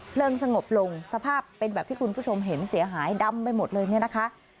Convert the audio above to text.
สงบลงสภาพเป็นแบบที่คุณผู้ชมเห็นเสียหายดำไปหมดเลยเนี่ยนะคะ